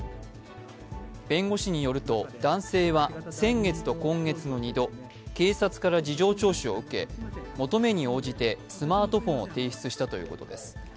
弁護士によると男性は、先月と今月の２度、警察から事情聴取を受け求めに応じてスマートフォンを提出したということです。